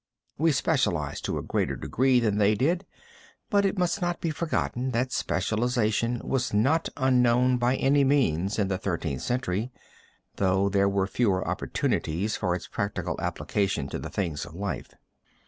We specialize to a greater degree than they did, but it must not be forgotten that specialism was not unknown by any means in the Thirteenth Century, though there were fewer opportunities for its practical application to the things of life.